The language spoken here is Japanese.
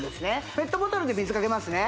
ペットボトルで水かけますね